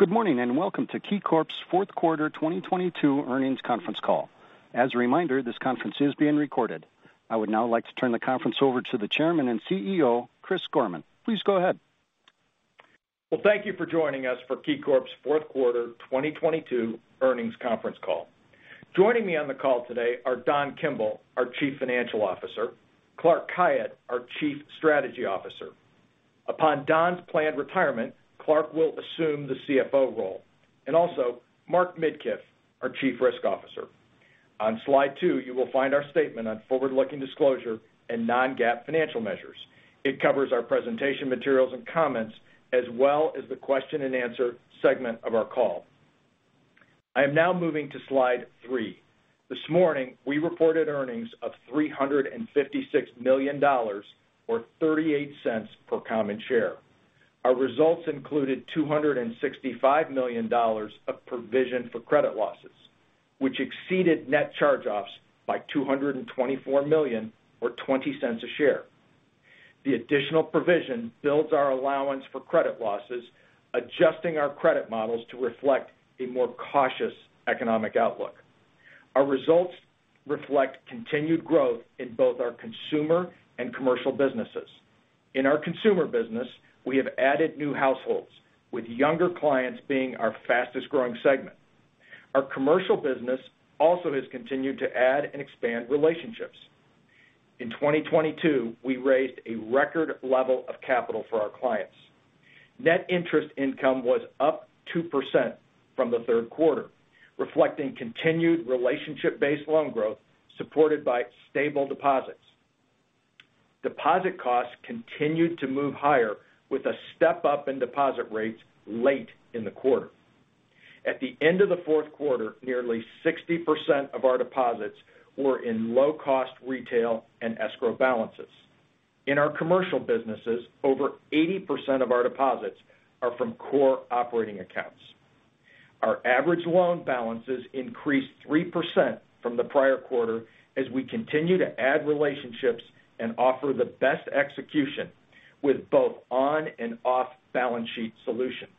Good morning. Welcome to KeyCorp's fourth quarter 2022 earnings conference call. As a reminder, this conference is being recorded. I would now like to turn the conference over to the Chairman and CEO, Chris Gorman. Please go ahead. Well, thank you for joining us for KeyCorp's fourth quarter 2022 earnings conference call. Joining me on the call today are Don Kimble, our Chief Financial Officer, Clark Khayat, our Chief Strategy Officer. Upon Don's planned retirement, Clark will assume the CFO role. Also Mark Midkiff, our Chief Risk Officer. On slide 2, you will find our statement on forward-looking disclosure and non-GAAP financial measures. It covers our presentation materials and comments as well as the question-and-answer segment of our call. I am now moving to slide 3. This morning, we reported earnings of $356 million or $0.38 per common share. Our results included $265 million of provision for credit losses, which exceeded net charge-offs by $224 million or $0.20 a share. The additional provision builds our allowance for credit losses, adjusting our credit models to reflect a more cautious economic outlook. Our results reflect continued growth in both our consumer and commercial businesses. In our consumer business, we have added new households, with younger clients being our fastest-growing segment. Our commercial business also has continued to add and expand relationships. In 2022, we raised a record level of capital for our clients. Net interest income was up 2% from the third quarter, reflecting continued relationship-based loan growth supported by stable deposits. Deposit costs continued to move higher with a step-up in deposit rates late in the quarter. At the end of the fourth quarter, nearly 60% of our deposits were in low-cost retail and escrow balances. In our commercial businesses, over 80% of our deposits are from core operating accounts. Our average loan balances increased 3% from the prior quarter as we continue to add relationships and offer the best execution with both on and off-balance-sheet solutions.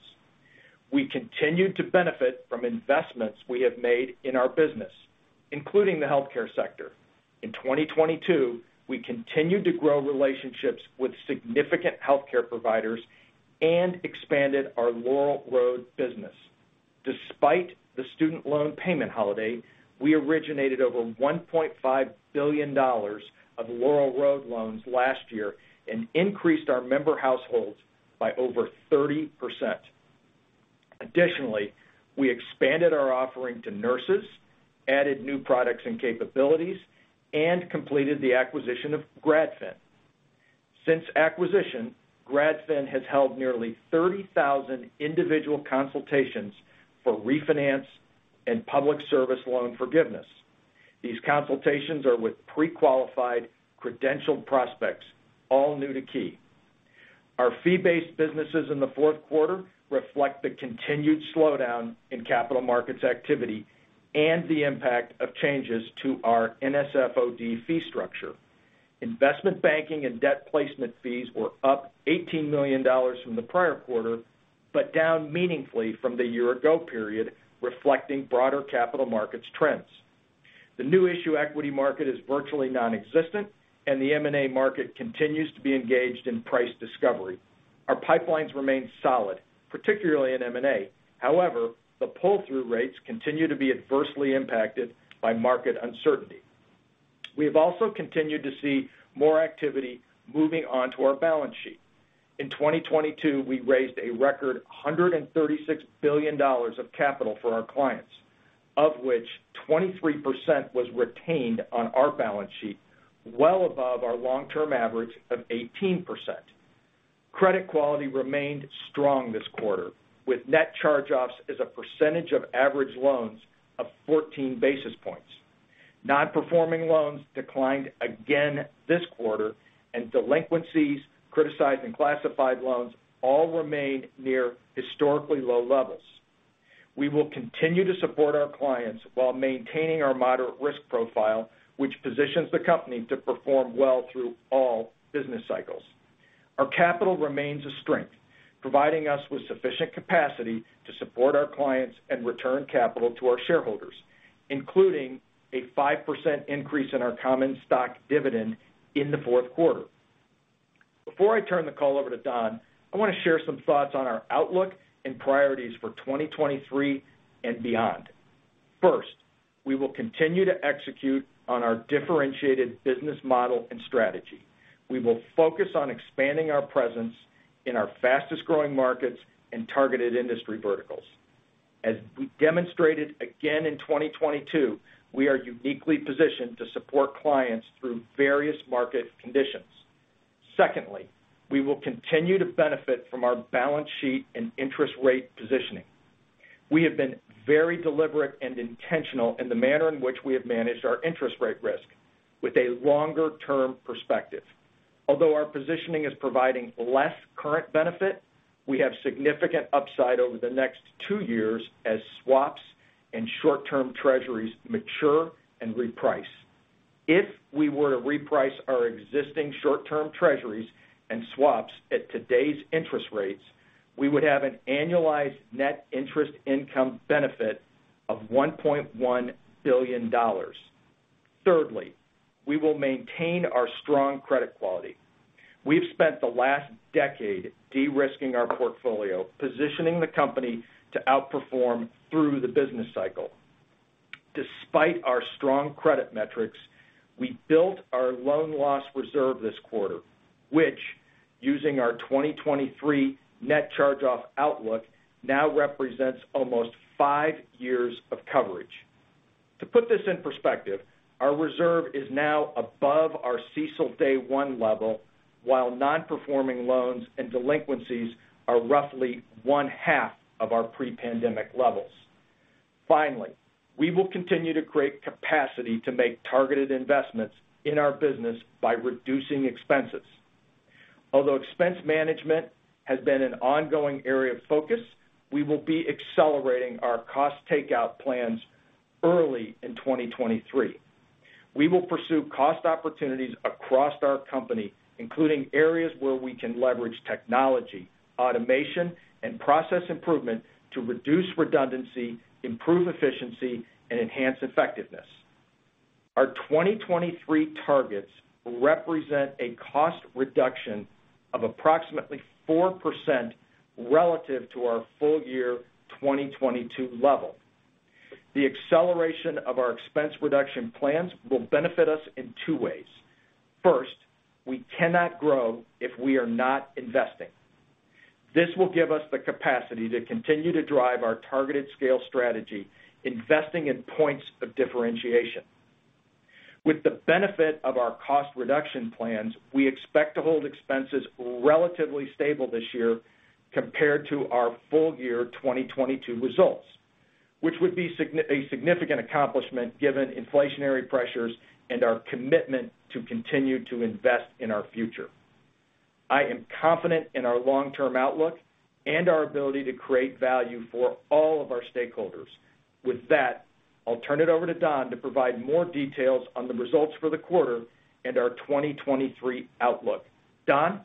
We continued to benefit from investments we have made in our business, including the healthcare sector. In 2022, we continued to grow relationships with significant healthcare providers and expanded our Laurel Road business. Despite the student loan payment holiday, we originated over $1.5 billion of Laurel Road loans last year and increased our member households by over 30%. We expanded our offering to nurses, added new products and capabilities, and completed the acquisition of GradFin. Since acquisition, GradFin has held nearly 30,000 individual consultations for refinance and public service loan forgiveness. These consultations are with pre-qualified, credentialed prospects, all new to Key. Our fee-based businesses in the fourth quarter reflect the continued slowdown in capital markets activity and the impact of changes to our NSF/OD fee structure. Investment banking and debt placement fees were up $18 million from the prior quarter, but down meaningfully from the year-ago period, reflecting broader capital markets trends. The new issue equity market is virtually nonexistent, and the M&A market continues to be engaged in price discovery. Our pipelines remain solid, particularly in M&A. However, the pull-through rates continue to be adversely impacted by market uncertainty. We have also continued to see more activity moving on to our balance sheet. In 2022, we raised a record $136 billion of capital for our clients, of which 23% was retained on our balance sheet, well above our long-term average of 18%. Credit quality remained strong this quarter, with net charge-offs as a percentage of average loans of 14 basis points. Non-performing loans declined again this quarter. Delinquencies, criticized and classified loans all remained near historically low levels. We will continue to support our clients while maintaining our moderate risk profile, which positions the company to perform well through all business cycles. Our capital remains a strength, providing us with sufficient capacity to support our clients and return capital to our shareholders, including a 5% increase in our common stock dividend in the fourth quarter. Before I turn the call over to Don, I want to share some thoughts on our outlook and priorities for 2023 and beyond. First, we will continue to execute on our differentiated business model and strategy. We will focus on expanding our presence in our fastest-growing markets and targeted industry verticals. As we demonstrated again in 2022, we are uniquely positioned to support clients through various market conditions. We will continue to benefit from our balance sheet and interest rate positioning. We have been very deliberate and intentional in the manner in which we have managed our interest rate risk with a longer-term perspective. Our positioning is providing less current benefit, we have significant upside over the next 2 years as swaps and short-term treasuries mature and reprice. We were to reprice our existing short-term treasuries and swaps at today's interest rates, we would have an annualized net interest income benefit of $1.1 billion. We will maintain our strong credit quality. We've spent the last decade de-risking our portfolio, positioning the company to outperform through the business cycle. Despite our strong credit metrics, we built our loan loss reserve this quarter, which, using our 2023 net charge-off outlook, now represents almost 5 years of coverage. To put this in perspective, our reserve is now above our CECL day one level, while non-performing loans and delinquencies are roughly one-half of our pre-pandemic levels. Finally, we will continue to create capacity to make targeted investments in our business by reducing expenses. Although expense management has been an ongoing area of focus, we will be accelerating our cost takeout plans early in 2023. We will pursue cost opportunities across our company, including areas where we can leverage technology, automation, and process improvement to reduce redundancy, improve efficiency, and enhance effectiveness. Our 2023 targets represent a cost reduction of approximately 4% relative to our full year 2022 level. The acceleration of our expense reduction plans will benefit us in two ways. First, we cannot grow if we are not investing. This will give us the capacity to continue to drive our targeted scale strategy, investing in points of differentiation. With the benefit of our cost reduction plans, we expect to hold expenses relatively stable this year compared to our full year 2022 results, which would be a significant accomplishment given inflationary pressures and our commitment to continue to invest in our future. I am confident in our long-term outlook and our ability to create value for all of our stakeholders. I'll turn it over to Don to provide more details on the results for the quarter and our 2023 outlook. Don?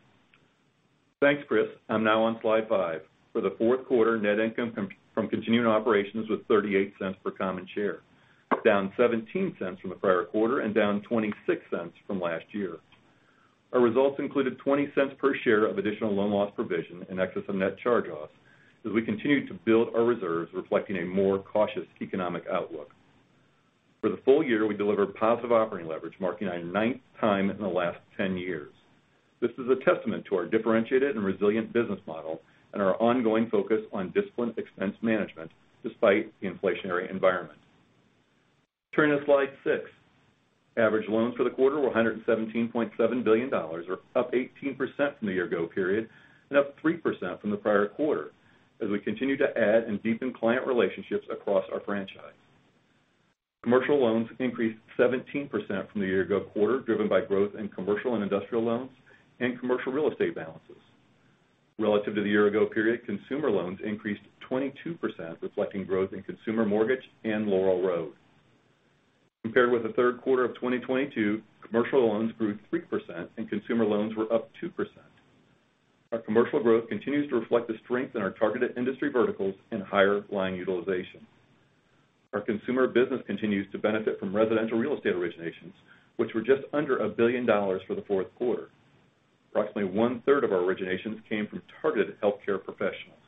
Thanks, Chris. I'm now on slide 5. For the fourth quarter, net income from continuing operations was $0.38 per common share, down $0.17 from the prior quarter and down $0.26 from last year. Our results included $0.20 per share of additional loan loss provision in excess of net charge-offs as we continue to build our reserves reflecting a more cautious economic outlook. For the full year, we delivered positive operating leverage, marking our ninth time in the last 10 years. This is a testament to our differentiated and resilient business model and our ongoing focus on disciplined expense management despite the inflationary environment. Turning to slide 6. Average loans for the quarter were $117.7 billion, or up 18% from the year ago period and up 3% from the prior quarter, as we continue to add and deepen client relationships across our franchise. Commercial loans increased 17% from the year ago quarter, driven by growth in commercial and industrial loans and commercial real estate balances. Relative to the year ago period, consumer loans increased 22%, reflecting growth in consumer mortgage and Laurel Road. Compared with the third quarter of 2022, commercial loans grew 3% and consumer loans were up 2%. Our commercial growth continues to reflect the strength in our targeted industry verticals and higher line utilization. Our consumer business continues to benefit from residential real estate originations, which were just under $1 billion for the fourth quarter. Approximately one-third of our originations came from targeted healthcare professionals.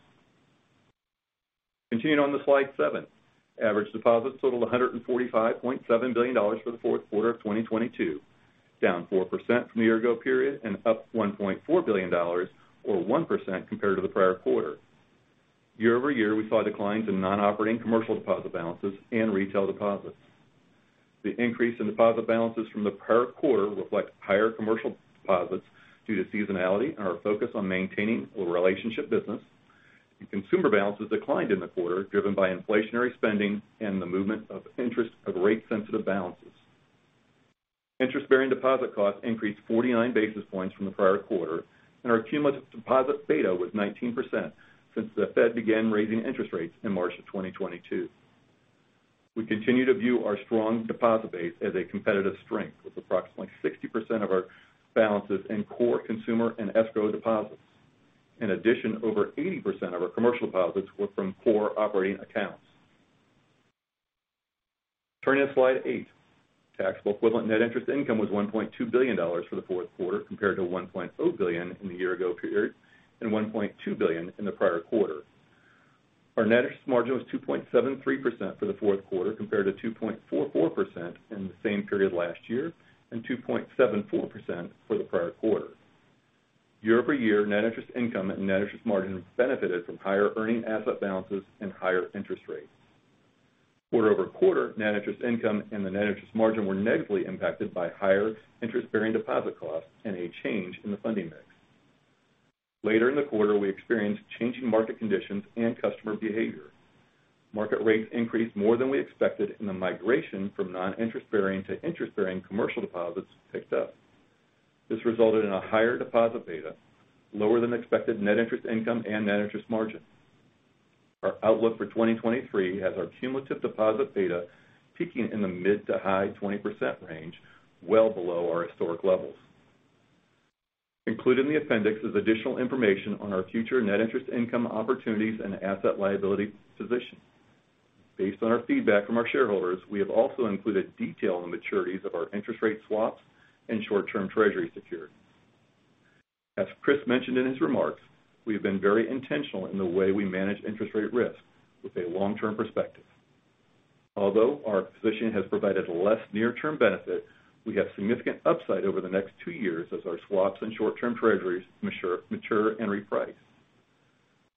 Continuing on to slide 7. Average deposits totaled $145.7 billion for the fourth quarter of 2022, down 4% from the year-ago period and up $1.4 billion or 1% compared to the prior quarter. Year-over-year, we saw declines in non-operating commercial deposit balances and retail deposits. The increase in deposit balances from the prior quarter reflect higher commercial deposits due to seasonality and our focus on maintaining a relationship business. Consumer balances declined in the quarter, driven by inflationary spending and the movement of interest of rate-sensitive balances. Interest-bearing deposit costs increased 49 basis points from the prior quarter, and our cumulative deposit beta was 19% since the Fed began raising interest rates in March of 2022. We continue to view our strong deposit base as a competitive strength, with approximately 60% of our balances in core consumer and escrow deposits. Over 80% of our commercial deposits were from core operating accounts. Turning to slide 8. Taxable equivalent net interest income was $1.2 billion for the fourth quarter, compared to $1.0 billion in the year-ago period and $1.2 billion in the prior quarter. Our net interest margin was 2.73% for the fourth quarter, compared to 2.44% in the same period last year and 2.74% for the prior quarter. Year-over-year, net interest income and net interest margin benefited from higher earning asset balances and higher interest rates. Quarter-over-quarter, net interest income and the net interest margin were negatively impacted by higher interest-bearing deposit costs and a change in the funding mix. Later in the quarter, we experienced changing market conditions and customer behavior. Market rates increased more than we expected, and the migration from non-interest-bearing to interest-bearing commercial deposits picked up. This resulted in a higher deposit beta, lower than expected net interest income and net interest margin. Our outlook for 2023 has our cumulative deposit beta peaking in the mid to high 20% range, well below our historic levels. Included in the appendix is additional information on our future net interest income opportunities and asset liability position. Based on our feedback from our shareholders, we have also included detail on maturities of our interest rate swaps and short-term treasury securities. As Chris mentioned in his remarks, we have been very intentional in the way we manage interest rate risk with a long-term perspective. Although our position has provided less near-term benefit, we have significant upside over the next two years as our swaps and short-term treasuries mature and reprice.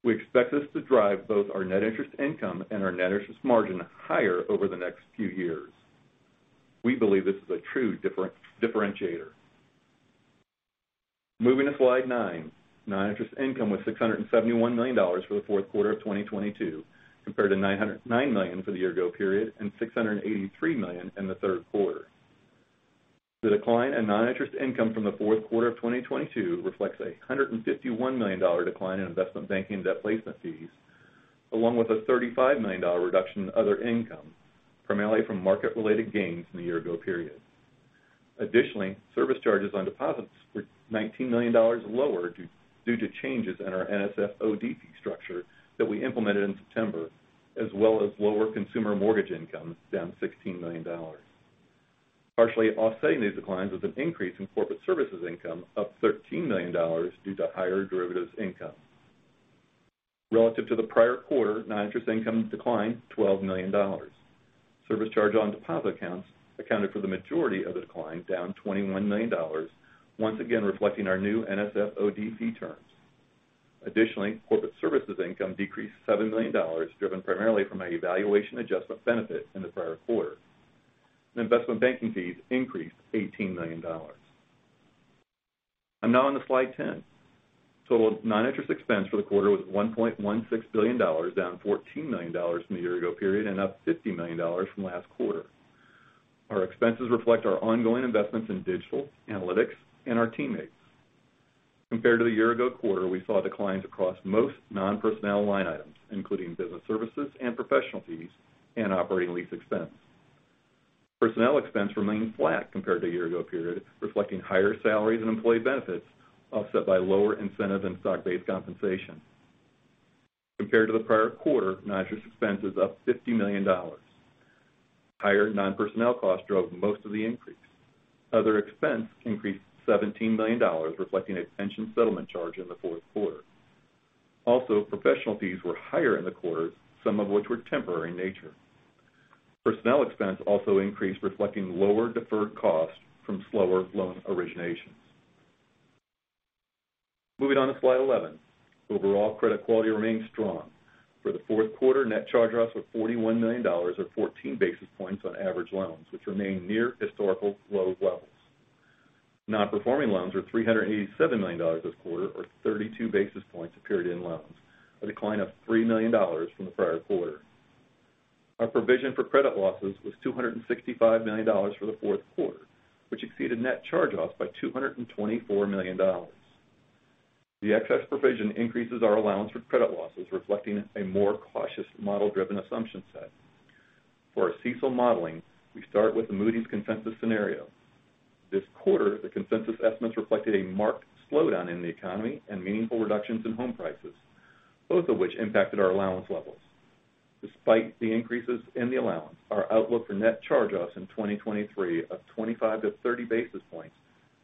We expect this to drive both our net interest income and our net interest margin higher over the next few years. We believe this is a true differentiator. Moving to slide 9. Non-interest income was $671 million for the fourth quarter of 2022, compared to $909 million for the year-ago period and $683 million in the third quarter. The decline in non-interest income from the fourth quarter of 2022 reflects a $151 million decline in investment banking debt placement fees, along with a $35 million reduction in other income, primarily from market-related gains in the year ago period. Additionally, service charges on deposits were $19 million lower due to changes in our NSF/OD fee structure that we implemented in September, as well as lower consumer mortgage income down $16 million. Partially offsetting these declines was an increase in corporate services income up $13 million due to higher derivatives income. Relative to the prior quarter, non-interest income declined $12 million. Service charge on deposit accounts accounted for the majority of the decline, down $21 million, once again reflecting our new NSF/OD fee terms. Additionally, corporate services income decreased $7 million, driven primarily from a valuation adjustment benefit in the prior quarter. Investment banking fees increased $18 million. I'm now on to slide 10. Total non-interest expense for the quarter was $1.16 billion, down $14 million from the year-ago period and up $50 million from last quarter. Our expenses reflect our ongoing investments in digital, analytics, and our teammates. Compared to the year-ago quarter, we saw declines across most non-personnel line items, including business services and professional fees and operating lease expense. Personnel expense remained flat compared to a year-ago period, reflecting higher salaries and employee benefits, offset by lower incentive and stock-based compensation. Compared to the prior quarter, non-interest expense is up $50 million. Higher non-personnel costs drove most of the increase. Other expense increased $17 million, reflecting a pension settlement charge in the fourth quarter. Professional fees were higher in the quarter, some of which were temporary in nature. Personnel expense also increased, reflecting lower deferred costs from slower loan originations. Moving on to slide 11. Overall credit quality remains strong. For the fourth quarter, net charge-offs were $41 million or 14 basis points on average loans, which remain near historical low levels. Non-performing loans were $387 million this quarter or 32 basis points of period end loans, a decline of $3 million from the prior quarter. Our provision for credit losses was $265 million for the fourth quarter, which exceeded net charge-offs by $224 million. The excess provision increases our allowance for credit losses, reflecting a more cautious model-driven assumption set. For our CECL modeling, we start with the Moody's consensus scenario. This quarter, the consensus estimates reflected a marked slowdown in the economy and meaningful reductions in home prices, both of which impacted our allowance levels. Despite the increases in the allowance, our outlook for net charge-offs in 2023 of 25-30 basis points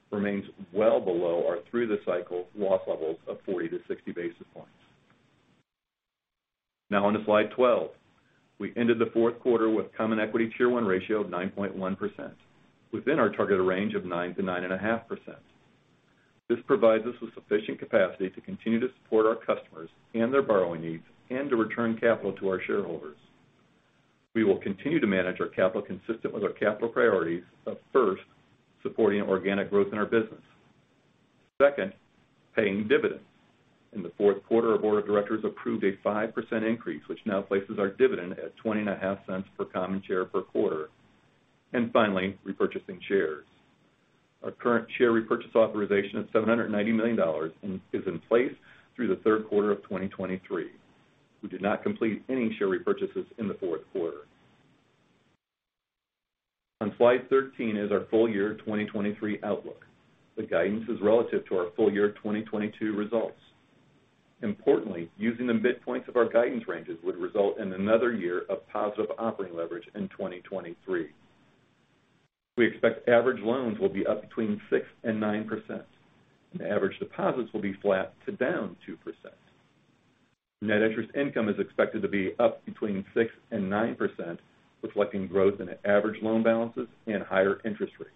remains well below our through-the-cycle loss levels of 40-60 basis points. On to slide 12. We ended the fourth quarter with Common Equity Tier 1 ratio of 9.1%, within our targeted range of 9% to 9.5%. This provides us with sufficient capacity to continue to support our customers and their borrowing needs and to return capital to our shareholders. We will continue to manage our capital consistent with our capital priorities of, first, supporting organic growth in our business. Second, paying dividends. In the fourth quarter, our board of directors approved a 5% increase, which now places our dividend at $0.205 per common share per quarter. Finally, repurchasing shares. Our current share repurchase authorization of $790 million is in place through the third quarter of 2023. We did not complete any share repurchases in the fourth quarter. On slide 13 is our full year 2023 outlook. The guidance is relative to our full year 2022 results. Importantly, using the midpoints of our guidance ranges would result in another year of positive operating leverage in 2023. We expect average loans will be up between 6%-9%, and average deposits will be flat to down 2%. Net interest income is expected to be up between 6% and 9%, reflecting growth in average loan balances and higher interest rates.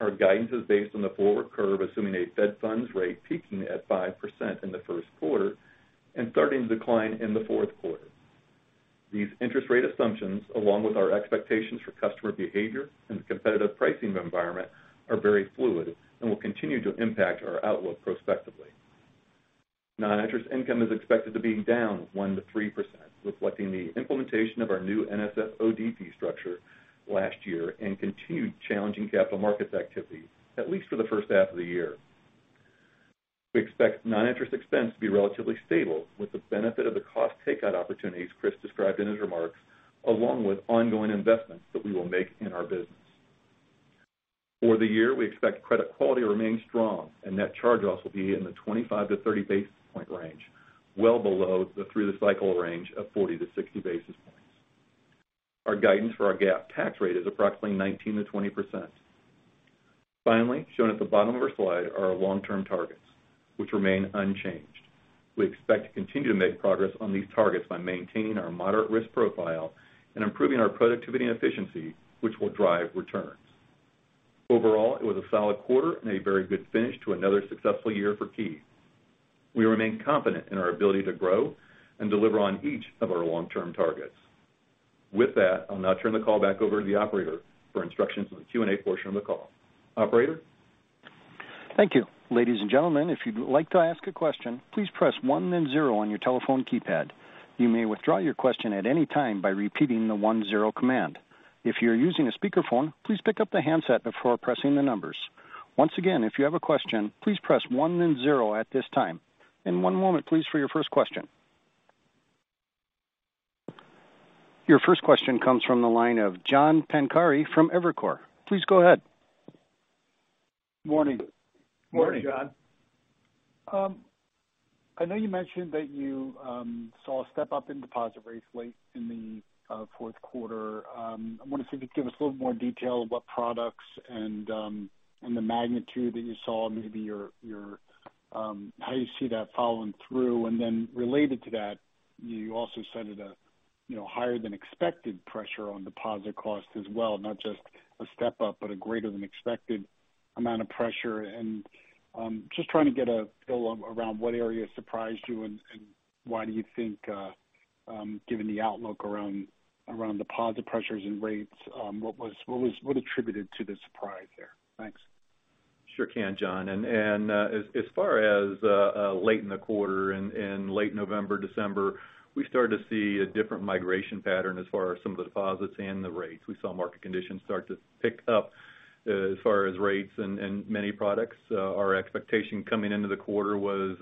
Our guidance is based on the forward curve, assuming a Fed funds rate peaking at 5% in the first quarter and starting to decline in the fourth quarter. These interest rate assumptions, along with our expectations for customer behavior and the competitive pricing environment, are very fluid and will continue to impact our outlook prospectively. Non-interest income is expected to be down 1%-3%, reflecting the implementation of our new NSF/OD fee structure last year and continued challenging capital markets activity, at least for the first half of the year. We expect non-interest expense to be relatively stable with the benefit of the cost takeout opportunities Chris described in his remarks, along with ongoing investments that we will make in our business. For the year, we expect credit quality to remain strong and net charge-offs will be in the 25-30 basis point range, well below the through-the-cycle range of 40-60 basis points. Our guidance for our GAAP tax rate is approximately 19%-20%. Finally, shown at the bottom of our slide are our long-term targets, which remain unchanged. We expect to continue to make progress on these targets by maintaining our moderate risk profile and improving our productivity and efficiency, which will drive returns. Overall, it was a solid quarter and a very good finish to another successful year for Key. We remain confident in our ability to grow and deliver on each of our long-term targets. With that, I'll now turn the call back over to the operator for instructions on the Q&A portion of the call. Operator? Thank you. Ladies and gentlemen, if you'd like to ask a question, please press one then zero on your telephone keypad. You may withdraw your question at any time by repeating the one-zero command. If you're using a speakerphone, please pick up the handset before pressing the numbers. Once again, if you have a question, please press one then zero at this time. One moment, please, for your first question. Your first question comes from the line of John Pancari from Evercore. Please go ahead. Morning. Morning. Morning, John. I know you mentioned that you saw a step-up in deposit rates late in the fourth quarter. I wonder if you could give us a little more detail of what products and the magnitude that you saw, maybe your, How you see that following through. Then related to that, you also cited a, you know, higher than expected pressure on deposit costs as well, not just a step up, but a greater than expected amount of pressure. Just trying to get a feel around what area surprised you and why do you think, given the outlook around deposit pressures and rates, what was, what attributed to the surprise there? Thanks. d, as far as late in the quarter and late November, December, we started to see a different migration pattern as far as some of the deposits and the rates. We saw market conditions start to pick up as far as rates and many products. Our expectation coming into the quarter was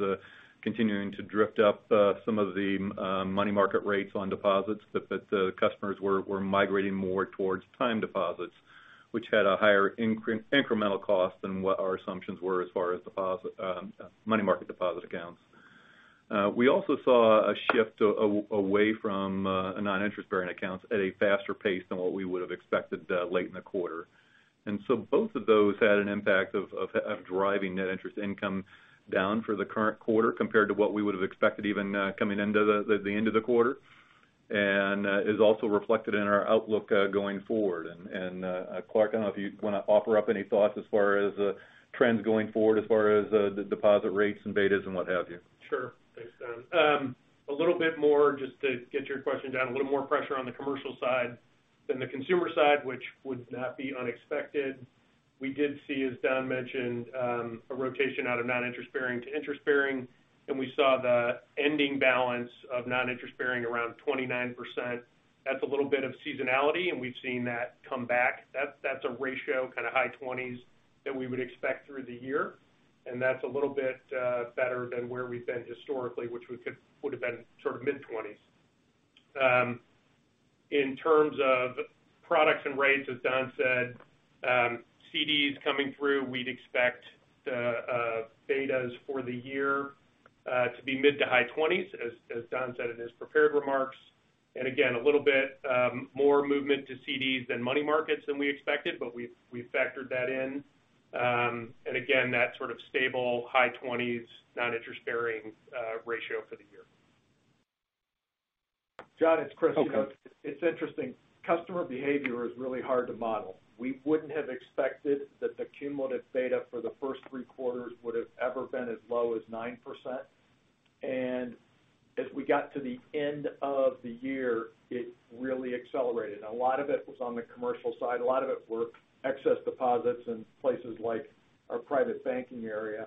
continuing to drift up some of the money market rates on deposits, but the customers were migrating more towards time deposits, which had a higher incremental cost than what our assumptions were as far as deposit money market deposit accounts. We also saw a shift away from non-interest bearing accounts at a faster pace than what we would have expected late in the quarter. Both of those had an impact of driving net interest income down for the current quarter compared to what we would have expected even coming into the end of the quarter. Is also reflected in our outlook going forward. Clark, I don't know if you want to offer up any thoughts as far as trends going forward as far as the deposit rates and betas and what have you. Sure. Thanks, Don. A little bit more just to get your question, John, a little more pressure on the commercial side than the consumer side, which would not be unexpected. We did see, as Don mentioned, a rotation out of non-interest bearing to interest bearing. We saw the ending balance of non-interest bearing around 29%. That's a little bit of seasonality, and we've seen that come back. That's a ratio, kind of high 20s that we would expect through the year. That's a little bit better than where we've been historically, which would have been sort of mid-20s. In terms of products and rates, as Don said, CDs coming through, we'd expect the betas for the year to be mid-to high 20s, as Don said in his prepared remarks. A little bit, more movement to CDs than money markets than we expected, but we factored that in. That sort of stable high 20s non-interest bearing ratio for the year. Okay. John, it's Chris. You know, it's interesting. Customer behavior is really hard to model. We wouldn't have expected that the cumulative beta for the first three quarters would have ever been as low as 9%. As we got to the end of the year, it really accelerated. A lot of it was on the commercial side. A lot of it were excess deposits in places like our private banking area.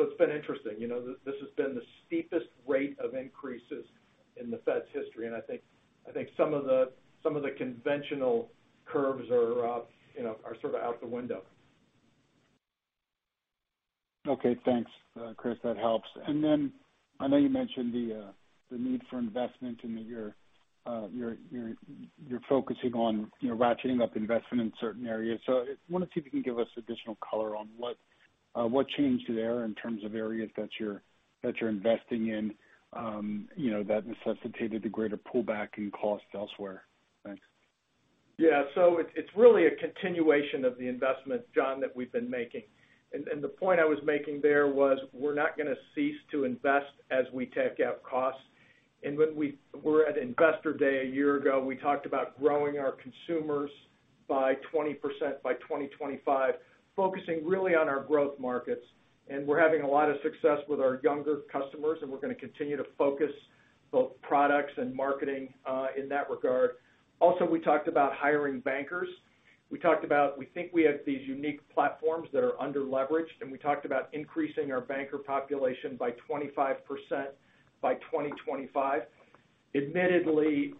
It's been interesting. You know, this has been the steepest rate of increases in the Fed's history. I think some of the conventional curves are, you know, are sort of out the window. Okay, thanks, Chris, that helps. I know you mentioned the need for investment and that you're focusing on, you know, ratcheting up investment in certain areas. I wanted to see if you can give us additional color on what changed there in terms of areas that you're investing in, you know, that necessitated the greater pullback in costs elsewhere. Thanks. It's really a continuation of the investment, John, that we've been making. The point I was making there was we're not going to cease to invest as we take out costs. When we were at Investor Day a year ago, we talked about growing our consumers by 20% by 2025, focusing really on our growth markets. We're having a lot of success with our younger customers, and we're going to continue to focus both products and marketing in that regard. We talked about hiring bankers. We talked about, we think we have these unique platforms that are under-leveraged, and we talked about increasing our banker population by 25% by 2025. Admittedly,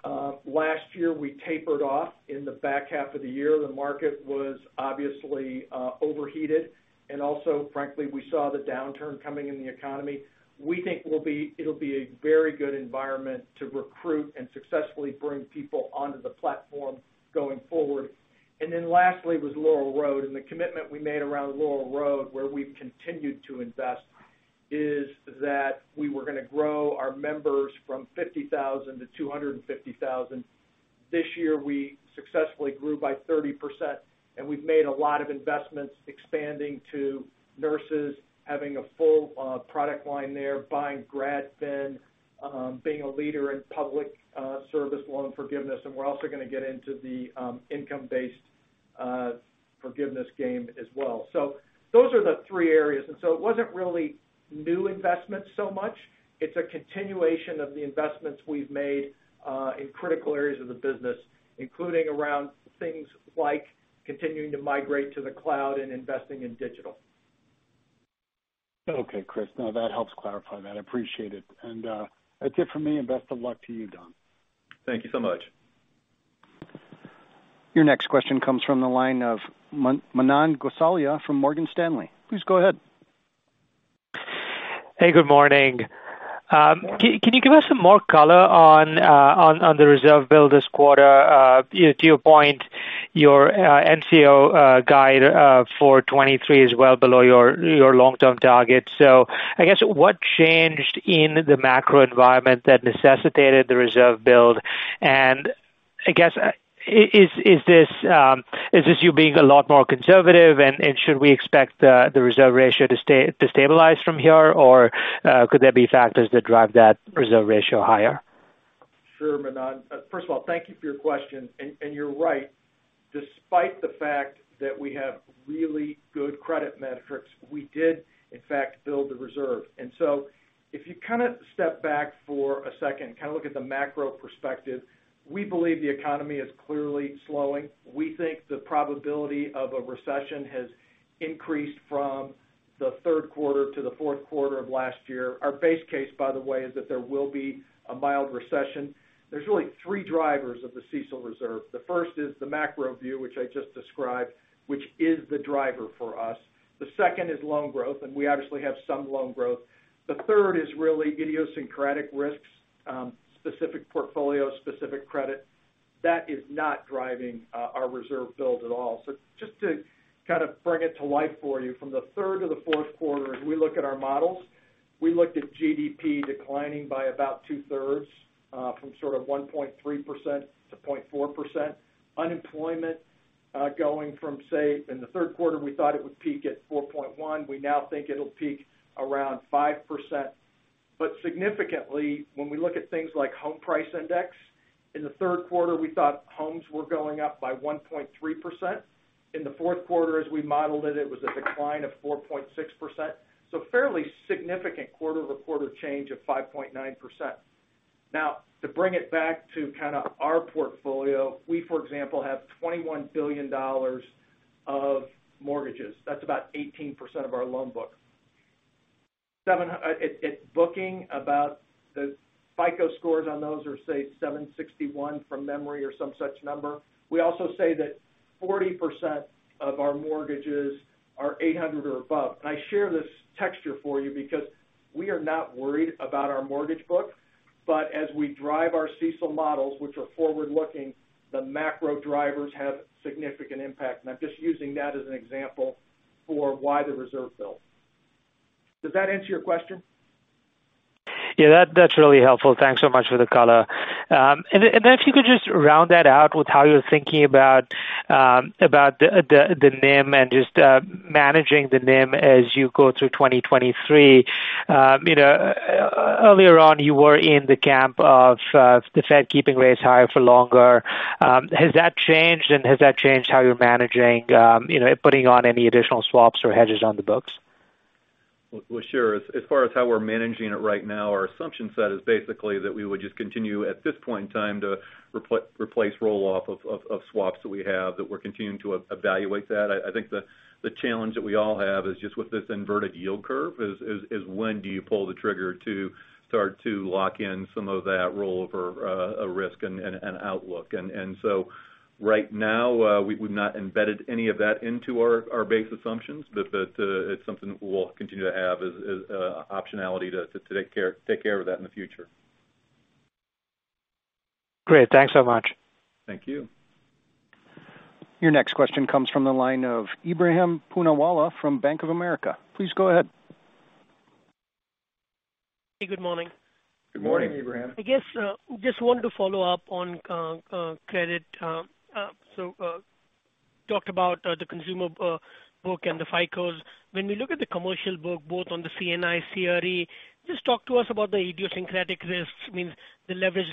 last year we tapered off in the back half of the year. The market was obviously overheated. Also, frankly, we saw the downturn coming in the economy. We think it'll be a very good environment to recruit and successfully bring people onto the platform going forward. Lastly was Laurel Road. The commitment we made around Laurel Road, where we've continued to invest, is that we were gonna grow our members from 50,000 to 250,000. This year, we successfully grew by 30%, and we've made a lot of investments expanding to nurses, having a full product line there, buying GradFin, being a leader in Public Service Loan Forgiveness. We're also gonna get into the income-based forgiveness game as well. Those are the three areas. It wasn't really new investments so much. It's a continuation of the investments we've made in critical areas of the business, including around things like continuing to migrate to the cloud and investing in digital. Okay, Chris. No, that helps clarify that. I appreciate it. That's it for me, and best of luck to you, Don. Thank you so much. Your next question comes from the line of Manan Gosalia from Morgan Stanley. Please go ahead. Hey, good morning. Can you give us some more color on the reserve build this quarter? You know, to your point, your NCO guide for 2023 is well below your long-term target. I guess what changed in the macro environment that necessitated the reserve build? I guess, is this you being a lot more conservative and should we expect the reserve ratio to stabilize from here? Or could there be factors that drive that reserve ratio higher? Sure, Manan. First of all, thank you for your question. You're right. Despite the fact that we have really good credit metrics, we did in fact build the reserve. If you step back for a second, look at the macro perspective, we believe the economy is clearly slowing. We think the probability of a recession has increased from the third quarter to the fourth quarter of last year. Our base case, by the way, is that there will be a mild recession. There's really 3 drivers of the CECL reserve. The first is the macro view, which I just described, which is the driver for us. The second is loan growth. We obviously have some loan growth. The third is really idiosyncratic risks, specific portfolio, specific credit. That is not driving our reserve build at all. Just to kind of bring it to life for you, from the third to the fourth quarter, as we look at our models, we looked at GDP declining by about two-thirds, from sort of 1.3% to 0.4%. Unemployment, going from, say, in the third quarter, we thought it would peak at 4.1%. We now think it'll peak around 5%. Significantly, when we look at things like Home Price Index, in the third quarter, we thought homes were going up by 1.3%. In the fourth quarter, as we modeled it was a decline of 4.6%. Fairly significant quarter-to-quarter change of 5.9%. To bring it back to kind of our portfolio, we, for example, have $21 billion of mortgages. That's about 18% of our loan book. It's booking about the FICO scores on those are, say, 761 from memory or some such number. We also say that 40% of our mortgages are 800 or above. I share this texture for you because we are not worried about our mortgage book. As we drive our CECL models, which are forward-looking, the macro drivers have significant impact. I'm just using that as an example for why the reserve build. Does that answer your question? Yeah, that's really helpful. Thanks so much for the color. If you could just round that out with how you're thinking about about the NIM and just managing the NIM as you go through 2023. You know, earlier on, you were in the camp of the Fed keeping rates higher for longer. Has that changed, has that changed how you're managing, you know, putting on any additional swaps or hedges on the books? Well, sure. As far as how we're managing it right now, our assumption set is basically that we would just continue at this point in time to replace roll-off of swaps that we have, that we're continuing to evaluate that. I think the challenge that we all have is just with this inverted yield curve is when do you pull the trigger to start to lock in some of that rollover risk and outlook. Right now, we've not embedded any of that into our base assumptions. It's something we'll continue to have as optionality to take care of that in the future. Great. Thanks so much. Thank you. Your next question comes from the line of Ebrahim Poonawala from Bank of America. Please go ahead. Hey, good morning. Good morning, Ebrahim. I guess, just wanted to follow up on credit. talked about the consumer book and the FICOs. When we look at the commercial book, both on the C&I, CRE, just talk to us about the idiosyncratic risks, means the leverage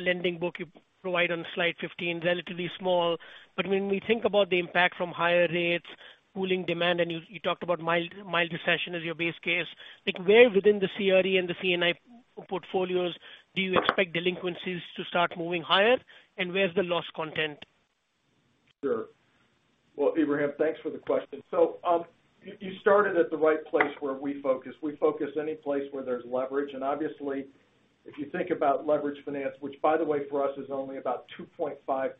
lending book you provide on slide 15, relatively small. But when we think about the impact from higher rates, cooling demand, and you talked about mild recession as your base case, like where within the CRE and the C&I portfolios do you expect delinquencies to start moving higher? And where's the loss content? Sure. Ebrahim, thanks for the question. You started at the right place where we focus. We focus any place where there's leverage. Obviously, if you think about leverage finance, which by the way, for us is only about 2.5%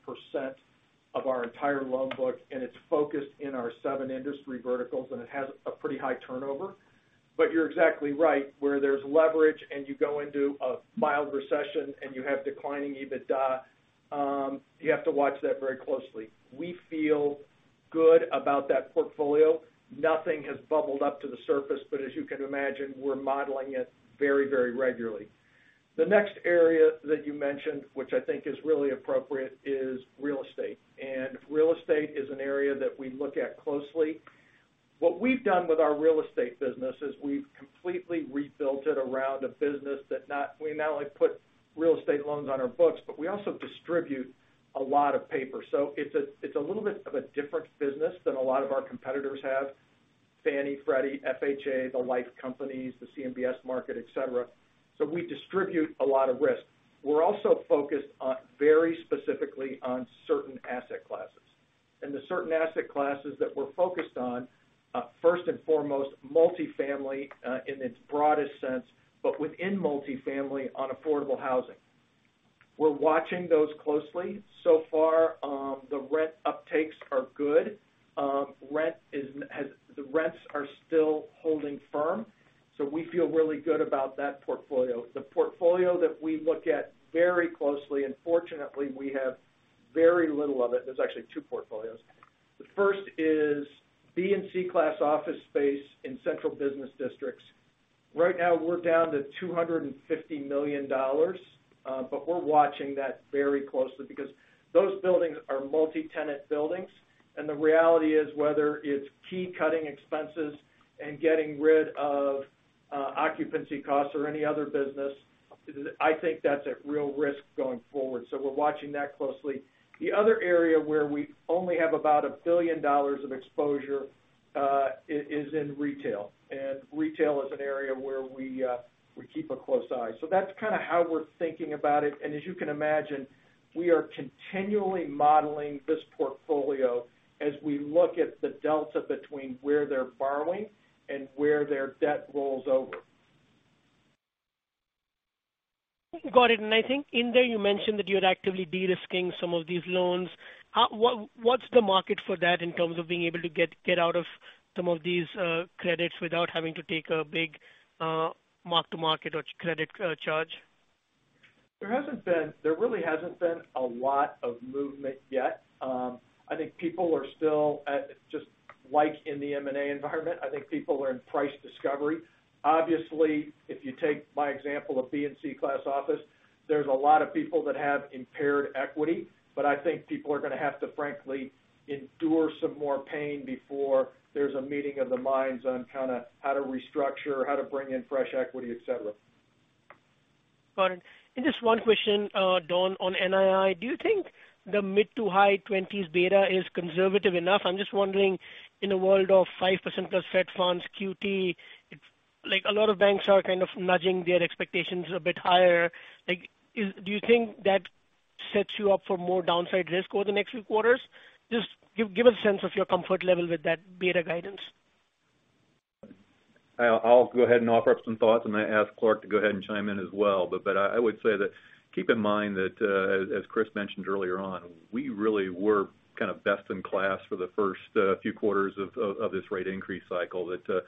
of our entire loan book, and it's focused in our seven industry verticals, and it has a pretty high turnover. You're exactly right, where there's leverage and you go into a mild recession and you have declining EBITDA, you have to watch that very closely. We feel good about that portfolio. Nothing has bubbled up to the surface, but as you can imagine, we're modeling it very, very regularly. The next area that you mentioned, which I think is really appropriate, is real estate. Real estate is an area that we look at closely. What we've done with our real estate business is we've completely rebuilt it around a business that we not only put real estate loans on our books, but we also distribute a lot of paper. It's a little bit of a different business than a lot of our competitors have, Fannie, Freddie, FHA, the life companies, the CMBS market, et cetera. We distribute a lot of risk. We're also focused on very specifically on certain asset classes. The certain asset classes that we're focused on, first and foremost, multifamily, in its broadest sense, but within multifamily on affordable housing. We're watching those closely. Far, the rent uptakes are good. The rents are still holding firm, we feel really good about that portfolio. The portfolio that we look at very closely, fortunately, we have very little of it. There's actually two portfolios. The first is B and C-class office space in central business districts. Right now, we're down to $250 million, we're watching that very closely because those buildings are multi-tenant buildings. The reality is whether it's key cutting expenses and getting rid of occupancy costs or any other business, I think that's at real risk going forward. We're watching that closely. The other area where we only have about $1 billion of exposure is in retail. Retail is an area where we keep a close eye. That's kind of how we're thinking about it. As you can imagine, we are continually modeling this portfolio as we look at the delta between where they're borrowing and where their debt rolls over. Got it. I think in there you mentioned that you're actively de-risking some of these loans. What, what's the market for that in terms of being able to get out of some of these credits without having to take a big mark-to-market or credit charge? There really hasn't been a lot of movement yet. I think people are still Just like in the M&A environment, I think people are in price discovery. Obviously, if you take my example of B and C class office, there's a lot of people that have impaired equity, but I think people are gonna have to frankly endure some more pain before there's a meeting of the minds on kind of how to restructure or how to bring in fresh equity, et cetera. Got it. Just one question, Don, on NII. Do you think the mid-to-high 20s beta is conservative enough? I'm just wondering, in a world of 5%+ Fed funds, QT, it's... Like, a lot of banks are kind of nudging their expectations a bit higher. Do you think that sets you up for more downside risk over the next few quarters? Just give a sense of your comfort level with that beta guidance. I'll go ahead and offer up some thoughts, and I ask Clark to go ahead and chime in as well. I would say that keep in mind that, as Chris mentioned earlier on, we really were kind of best in class for the first few quarters of this rate increase cycle, that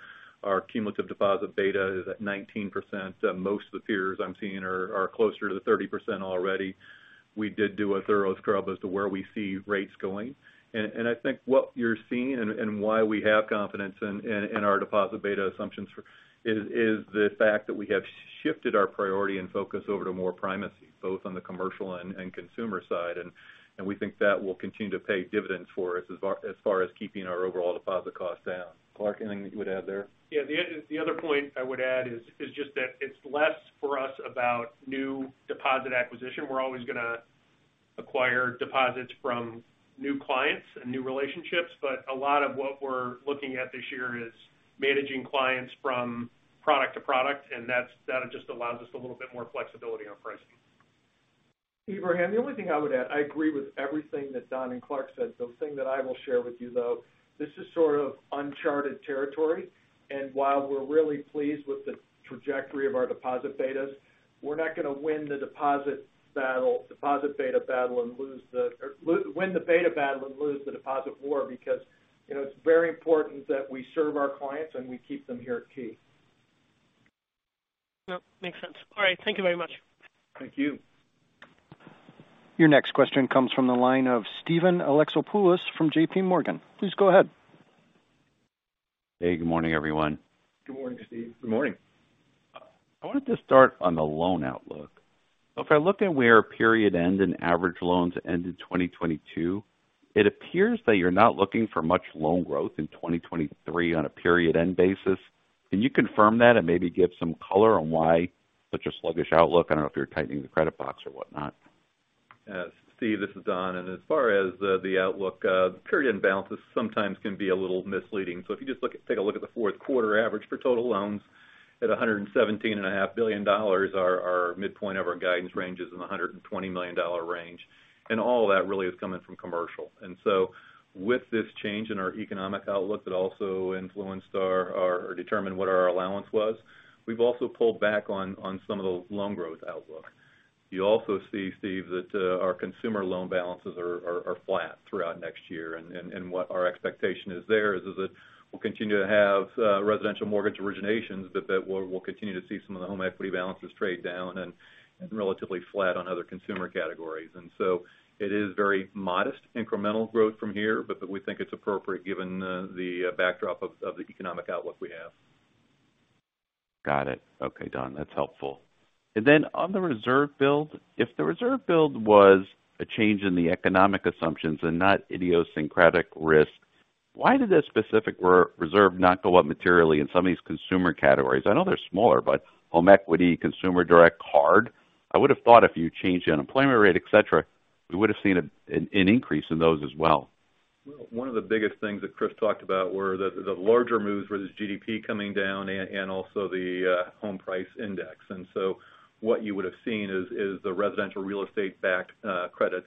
our cumulative deposit beta is at 19%. Most of the peers I'm seeing are closer to the 30% already. We did do a thorough scrub as to where we see rates going. I think what you're seeing and why we have confidence in our deposit beta assumptions is the fact that we have shifted our priority and focus over to more primacy, both on the commercial and consumer side. We think that will continue to pay dividends for us as far as keeping our overall deposit costs down. Clark, anything you would add there? Yeah. The other point I would add is just that it's less for us about new deposit acquisition. We're always gonna acquire deposits from new clients and new relationships, but a lot of what we're looking at this year is managing clients from product to product, and that just allows us a little bit more flexibility on pricing. Ebrahim, the only thing I would add, I agree with everything that Don and Clark said. The thing that I will share with you, though, this is sort of uncharted territory. While we're really pleased with the trajectory of our deposit betas, we're not gonna win the deposit beta battle and win the beta battle and lose the deposit war because, you know, it's very important that we serve our clients, and we keep them here at Key. No, makes sense. All right. Thank you very much. Thank you. Your next question comes from the line of Steven Alexopoulos from JPMorgan. Please go ahead. Hey, good morning, everyone. Good morning, Steve. Good morning. I wanted to start on the loan outlook. If I look at where period end and average loans end in 2022, it appears that you're not looking for much loan growth in 2023 on a period end basis. Can you confirm that and maybe give some color on why such a sluggish outlook? I don't know if you're tightening the credit box or whatnot. As Steve, this is Don. As far as the outlook, period balances sometimes can be a little misleading. If you just take a look at the fourth quarter average for total loans at $117 and a half billion dollars, our midpoint of our guidance range is in the $120 million range. All of that really is coming from commercial. With this change in our economic outlook that also influenced our or determined what our allowance was, we've also pulled back on some of the loan growth outlook. You also see, Steve, that our consumer loan balances are flat throughout next year. What our expectation is there is that we'll continue to have residential mortgage originations, but that we'll continue to see some of the home equity balances trade down and relatively flat on other consumer categories. So it is very modest incremental growth from here, but we think it's appropriate given the backdrop of the economic outlook we have. Got it. Okay, Don, that's helpful. Then on the reserve build, if the reserve build was a change in the economic assumptions and not idiosyncratic risk, why did that specific re-reserve not go up materially in some of these consumer categories? I know they're smaller, but home equity, consumer direct card, I would have thought if you changed the unemployment rate, et cetera, we would've seen an increase in those as well. Well, one of the biggest things that Chris talked about were the larger moves with GDP coming down and also the Home Price Index. What you would have seen is the residential real estate backed credits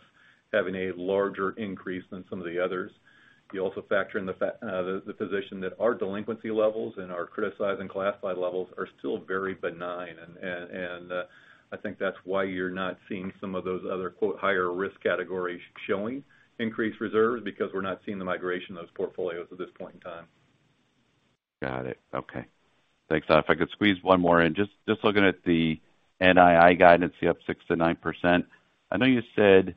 having a larger increase than some of the others. You also factor in the position that our delinquency levels and our criticizing classified levels are still very benign. I think that's why you're not seeing some of those other, quote, "higher risk categories" showing increased reserves because we're not seeing the migration of those portfolios at this point in time. Got it. Okay. Thanks. If I could squeeze one more in. Just looking at the NII guidance, you up 6%-9%. I know you said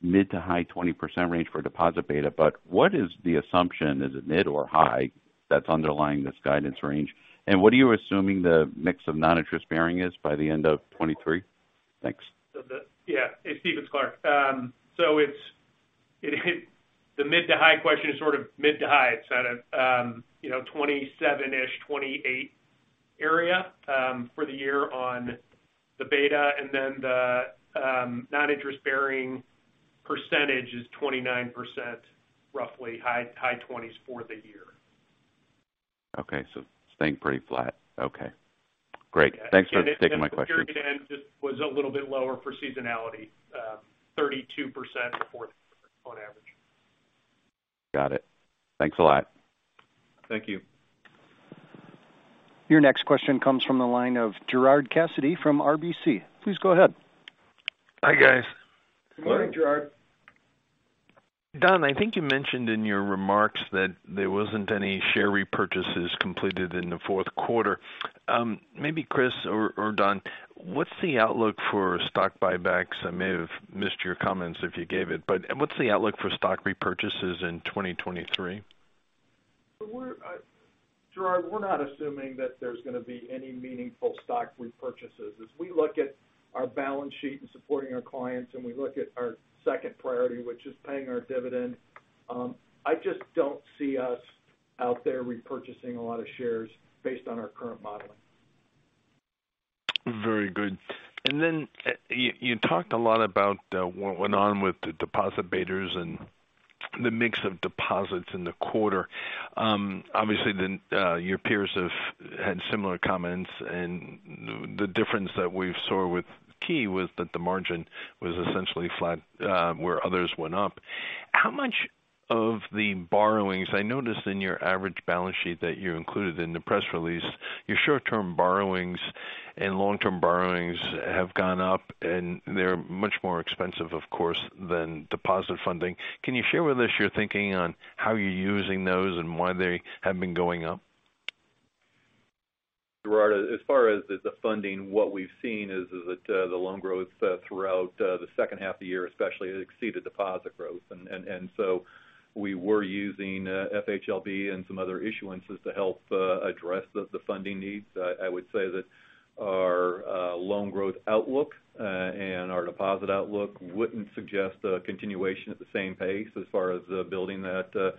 mid to high 20% range for deposit beta, but what is the assumption, is it mid or high that's underlying this guidance range? What are you assuming the mix of non-interest bearing is by the end of 2023? Thanks. Yeah. Hey, Steve, it's Clark. It's the mid to high question is sort of mid to high. It's at a, you know, 27-ish, 28 area for the year on the beta. The non-interest bearing percentage is 29% roughly, high twenties for the year. Okay. Staying pretty flat. Okay. Great. Thanks for taking my question. At the period end, it was a little bit lower for seasonality, 32% for fourth on average. Got it. Thanks a lot. Thank you. Your next question comes from the line of Gerard Cassidy from RBC. Please go ahead. Hi, guys. Good morning, Gerard. Don, I think you mentioned in your remarks that there wasn't any share repurchases completed in the fourth quarter. Maybe Chris or Don, what's the outlook for stock buybacks? I may have missed your comments if you gave it, but what's the outlook for stock repurchases in 2023? We're Gerard, we're not assuming that there's gonna be any meaningful stock repurchases. As we look at our balance sheet and supporting our clients, and we look at our second priority, which is paying our dividend, I just don't see us out there repurchasing a lot of shares based on our current modeling. Very good. You talked a lot about what went on with the deposit betas and the mix of deposits in the quarter. Obviously, the, your peers have had similar comments, and the difference that we've saw with Key was that the margin was essentially flat, where others went up. How much of the borrowings... I noticed in your average balance sheet that you included in the press release, your short-term borrowings and long-term borrowings have gone up, and they're much more expensive, of course, than deposit funding. Can you share with us your thinking on how you're using those and why they have been going up? Gerard, as far as the funding, what we've seen is that the loan growth throughout the second half of the year especially, it exceeded deposit growth. We were using FHLB and some other issuances to help address the funding needs. I would say that our loan growth outlook and our deposit outlook wouldn't suggest a continuation at the same pace as far as building that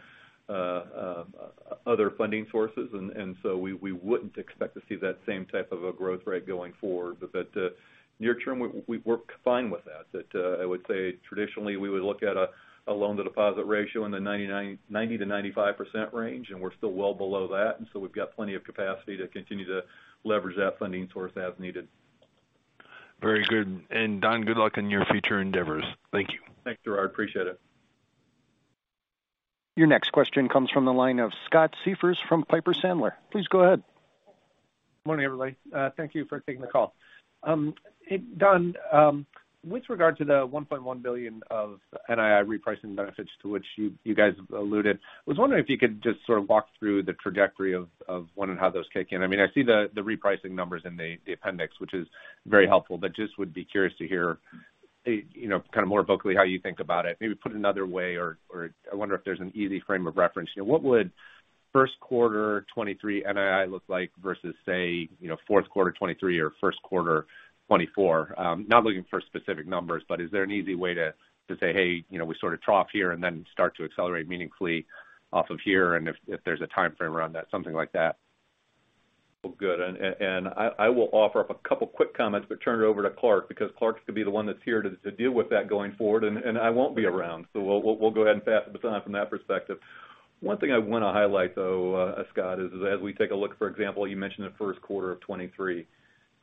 other funding sources. We wouldn't expect to see that same type of a growth rate going forward. Near term, we're fine with that. I would say traditionally, we would look at a loan to deposit ratio in the 90%-95% range, and we're still well below that. We've got plenty of capacity to continue to leverage that funding source as needed. Very good. Don, good luck in your future endeavors. Thank you. Thanks, Gerard. Appreciate it. Your next question comes from the line of Scott Siefers from Piper Sandler. Please go ahead. Morning, everybody. Thank you for taking the call. Hey, Don, with regard to the $1.1 billion of NII repricing benefits to which you guys alluded, I was wondering if you could just sort of walk through the trajectory of when and how those kick in. I mean, I see the repricing numbers in the appendix, which is very helpful, but just would be curious to hear, you know, kind of more vocally how you think about it. Maybe put another way or I wonder if there's an easy frame of reference. You know, what would first quarter 2023 NII look like versus say, you know, fourth quarter 2023 or first quarter 2024? Not looking for specific numbers, but is there an easy way to say, "Hey, you know, we sort of trough here and then start to accelerate meaningfully off of here," and if there's a timeframe around that, something like that? Well, good. I will offer up a couple quick comments, but turn it over to Clark, because Clark's gonna be the one that's here to deal with that going forward, and I won't be around. We'll go ahead and pass the baton from that perspective. One thing I wanna highlight, though, Scott, is as we take a look, for example, you mentioned the first quarter of 2023.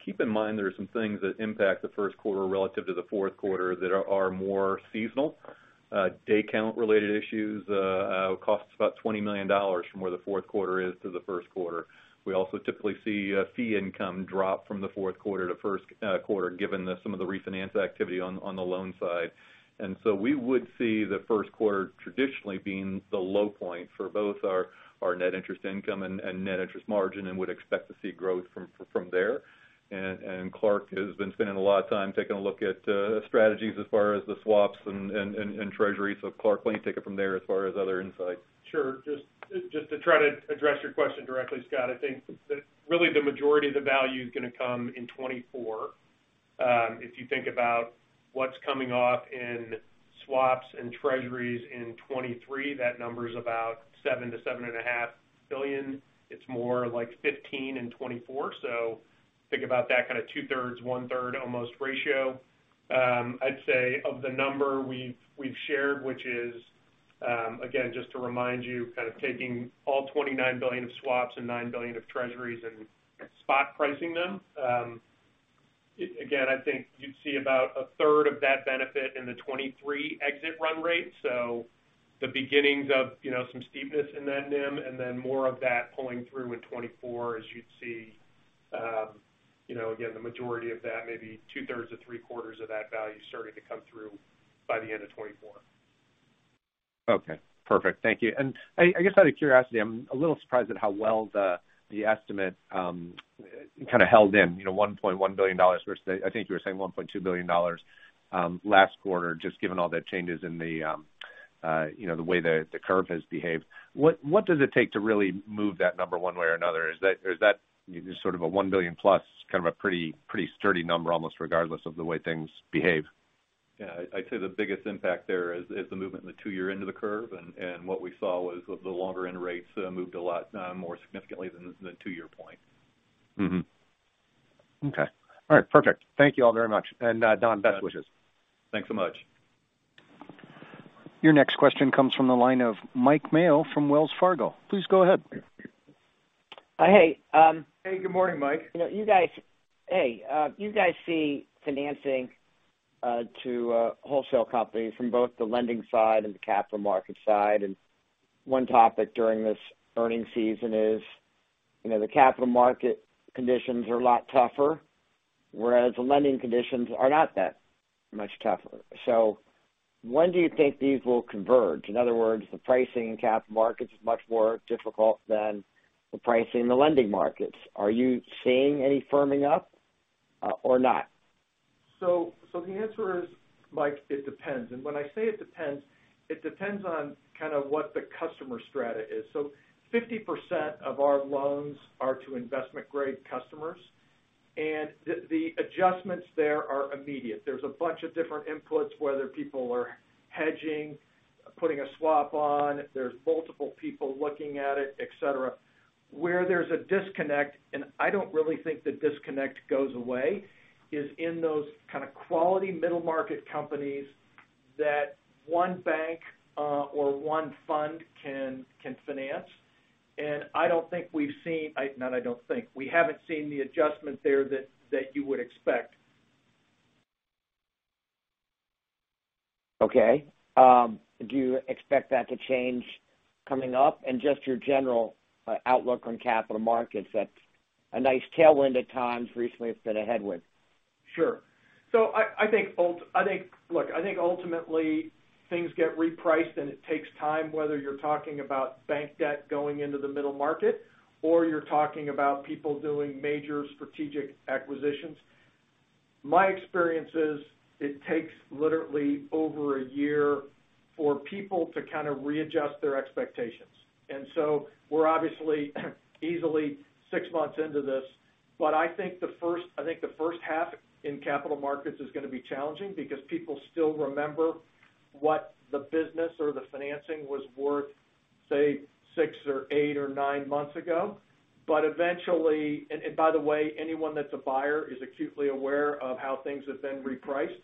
Keep in mind there are some things that impact the first quarter relative to the fourth quarter that are more seasonal. Day count related issues, costs about $20 million from where the fourth quarter is to the first quarter. We also typically see fee income drop from the fourth quarter to first quarter, given the some of the refinance activity on the loan side. We would see the first quarter traditionally being the low point for both our net interest income and net interest margin, and would expect to see growth from there. Clark has been spending a lot of time taking a look at strategies as far as the swaps and treasuries. Clark, why don't you take it from there as far as other insights? Sure. Just to try to address your question directly, Scott, I think that really the majority of the value is gonna come in 2024. If you think about what's coming off in swaps and treasuries in 2023, that number is about $7 billion-$7.5 billion. It's more like $15 billion in 2024. Think about that kind of two-thirds, one-third almost ratio. I'd say of the number we've shared, which is, again, just to remind you, kind of taking all $29 billion of swaps and $9 billion of treasuries and spot pricing them, again, I think you'd see about a third of that benefit in the 2023 exit run rate. The beginnings of, you know, some steepness in that NIM, and then more of that pulling through in 2024, as you'd see, you know, again, the majority of that maybe two thirds or three quarters of that value starting to come through by the end of 2024. Okay. Perfect. Thank you. I guess out of curiosity, I'm a little surprised at how well the estimate kinda held in, you know, $1.1 billion versus, I think you were saying $1.2 billion last quarter, just given all the changes in, you know, the way the curve has behaved. What does it take to really move that number one way or another? Is that, is that sort of a $1 billion plus kind of a pretty sturdy number, almost regardless of the way things behave? Yeah. I'd say the biggest impact there is the movement in the two-year end of the curve. What we saw was the longer end rates moved a lot more significantly than the two-year point. Mm-hmm. Okay. All right. Perfect. Thank you all very much. Don, best wishes. Thanks so much. Your next question comes from the line of Mike Mayo from Wells Fargo. Please go ahead. Hey. Hey, good morning, Mike. You know, you guys see financing to wholesale companies from both the lending side and the capital market side. One topic during this earning season is, you know, the capital market conditions are a lot tougher, whereas the lending conditions are not that much tougher. When do you think these will converge? In other words, the pricing in capital markets is much more difficult than the pricing in the lending markets. Are you seeing any firming up, or not? The answer is, Mike, it depends. When I say it depends, it depends on kind of what the customer strata is. 50% of our loans are to investment grade customers, and the adjustments there are immediate. There's a bunch of different inputs, whether people are hedging, putting a swap on, there's multiple people looking at it, et cetera. Where there's a disconnect, and I don't really think the disconnect goes away, is in those kind of quality middle market companies that one bank or one fund can finance. I don't think we've seen. Not I don't think. We haven't seen the adjustment there that you would expect. Okay. Do you expect that to change coming up? Just your general outlook on capital markets. That's a nice tailwind at times. Recently, it's been a headwind. Sure. I think ultimately things get repriced, and it takes time, whether you're talking about bank debt going into the middle market or you're talking about people doing major strategic acquisitions. My experience is it takes literally over a year for people to kind of readjust their expectations. We're obviously easily 6 months into this. I think the first half in capital markets is gonna be challenging because people still remember what the business or the financing was worth, say, 6 or 8 or 9 months ago. Eventually. And by the way, anyone that's a buyer is acutely aware of how things have been repriced.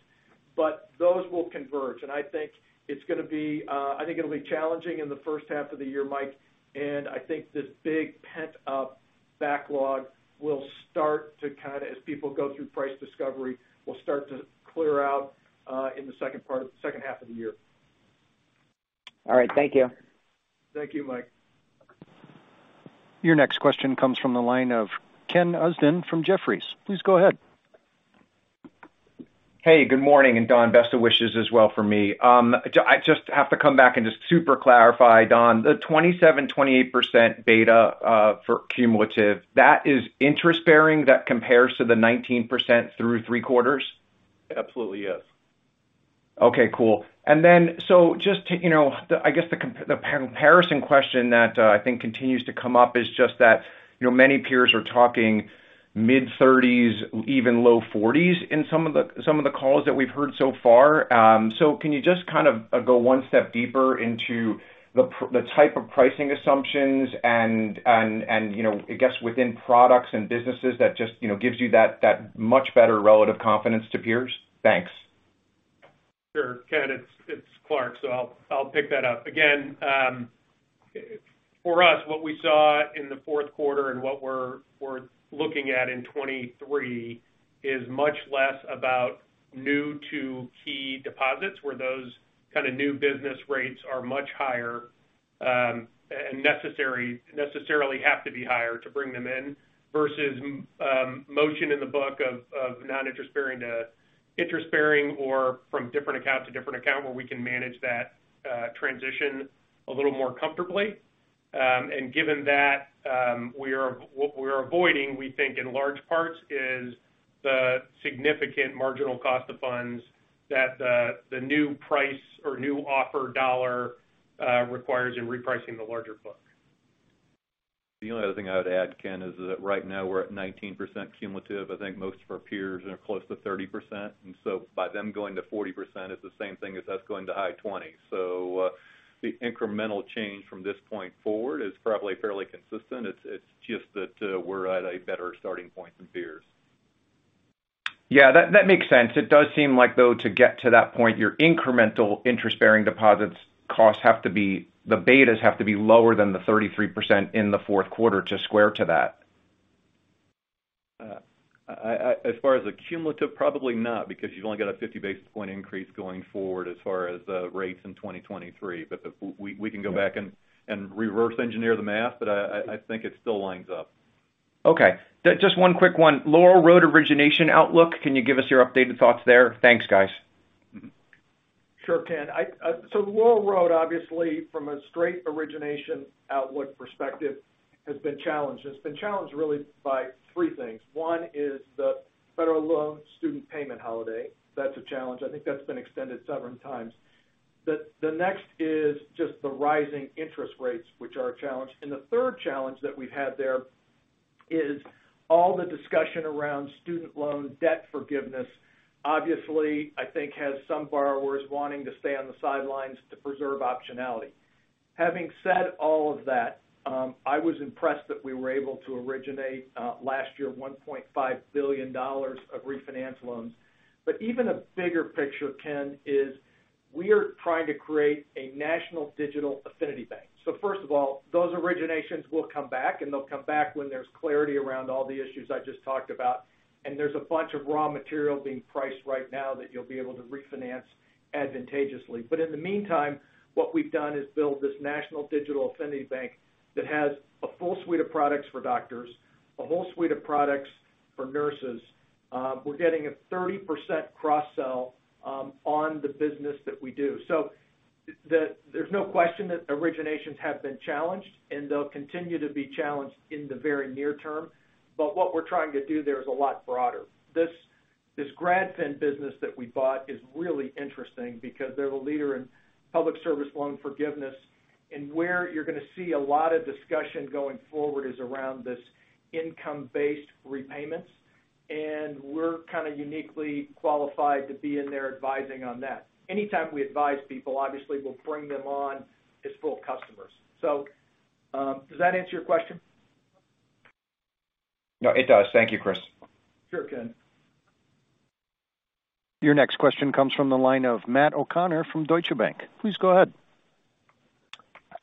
Those will converge. I think it's gonna be, I think it'll be challenging in the first half of the year, Mike. I think this big pent-up backlog will start to kinda, as people go through price discovery, will start to clear out, in the second half of the year. All right. Thank you. Thank you, Mike. Your next question comes from the line of Ken Usdin from Jefferies. Please go ahead. Hey, good morning. Don, best of wishes as well from me. I just have to come back and just super clarify, Don. The 27%-28% beta for cumulative, that is interest-bearing that compares to the 19% through 3 quarters? Absolutely, yes. Okay, cool. Just to, you know, I guess the comparison question that I think continues to come up is just that, you know, many peers are talking mid-30s, even low 40s in some of the, some of the calls that we've heard so far. Can you just kind of go one step deeper into the type of pricing assumptions and, you know, I guess within products and businesses that just, you know, gives you that much better relative confidence to peers? Thanks. Sure. Ken, it's Clark, I'll pick that up. Again, for us, what we saw in the fourth quarter and what we're looking at in 23 is much less about new to key deposits where those kinda new business rates are much higher, necessarily have to be higher to bring them in versus motion in the book of non-interest bearing to interest bearing or from different account to different account where we can manage that transition a little more comfortably. Given that, what we're avoiding, we think in large parts, is the significant marginal cost of funds that the new price or new offer dollar requires in repricing the larger book. The only other thing I would add, Ken, is that right now we're at 19% cumulative. I think most of our peers are close to 30%. By them going to 40% is the same thing as us going to high twenties. The incremental change from this point forward is probably fairly consistent. It's just that we're at a better starting point than peers. Yeah, that makes sense. It does seem like, though, to get to that point, your incremental interest-bearing deposits costs the betas have to be lower than the 33% in the fourth quarter to square to that. As far as the cumulative, probably not, because you've only got a 50 basis point increase going forward as far as rates in 2023. We can go back and reverse engineer the math, but I think it still lines up. Okay. Just one quick one. Laurel Road origination outlook. Can you give us your updated thoughts there? Thanks, guys. Sure, Ken. Laurel Road, obviously from a straight origination outlook perspective, has been challenged. It's been challenged really by three things. One is the federal loan student payment holiday. That's a challenge. I think that's been extended several times. The next is just the rising interest rates, which are a challenge. The third challenge that we've had there is all the discussion around student loan debt forgiveness. Obviously, I think, has some borrowers wanting to stay on the sidelines to preserve optionality. Having said all of that, I was impressed that we were able to originate last year $1.5 billion of refinance loans. Even a bigger picture, Ken, is we are trying to create a national digital affinity bank. First of all, those originations will come back, and they'll come back when there's clarity around all the issues I just talked about. There's a bunch of raw material being priced right now that you'll be able to refinance advantageously. In the meantime, what we've done is build this national digital affinity bank that has a full suite of products for doctors, a whole suite of products for nurses. We're getting a 30% cross-sell on the business that we do. There's no question that originations have been challenged, and they'll continue to be challenged in the very near term. What we're trying to do there is a lot broader. This GradFin business that we bought is really interesting because they're the leader in public service loan forgiveness. Where you're gonna see a lot of discussion going forward is around this income-based repayments, and we're kind of uniquely qualified to be in there advising on that. Anytime we advise people, obviously we'll bring them on as full customers. Does that answer your question? No, it does. Thank you, Chris. Sure, Ken. Your next question comes from the line of Matt O'Connor from Deutsche Bank. Please go ahead.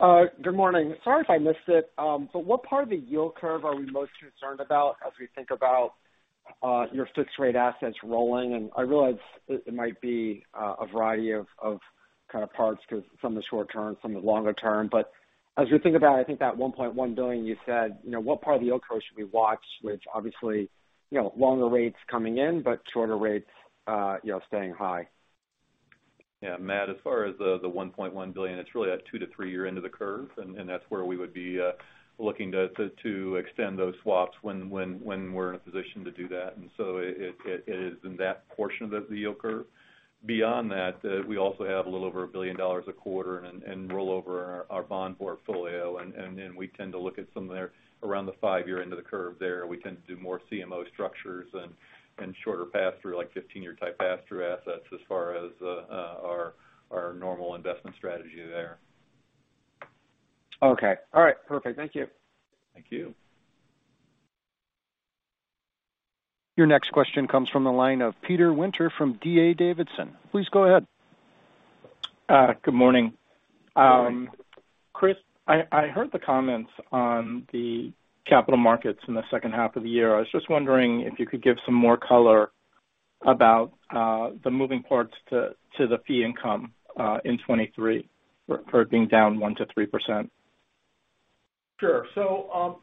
Good morning. Sorry if I missed it. What part of the yield curve are we most concerned about as we think about your fixed rate assets rolling? I realize it might be a variety of kind of parts because some are short-term, some are longer-term. As we think about, I think that $1.1 billion you said, you know, what part of the yield curve should we watch, which obviously, you know, longer rates coming in, but shorter rates, you know, staying high. Yeah, Matt, as far as the $1.1 billion, it's really at 2-3 year end of the curve. That's where we would be looking to extend those swaps when we're in a position to do that. It is in that portion of the yield curve. Beyond that, we also have a little over $1 billion a quarter and rollover our bond portfolio. Then we tend to look at some of their around the 5 year into the curve there. We tend to do more CMO structures and shorter pass through, like 15-year type pass through assets as far as our normal investment strategy there. Okay. All right. Perfect. Thank you. Thank you. Your next question comes from the line of Peter from D.A. Davidson. Please go ahead. Good morning. Good morning. Chris, I heard the comments on the capital markets in the second half of the year. I was just wondering if you could give some more color about the moving parts to the fee income, in 2023 for it being down 1%-3%. Sure.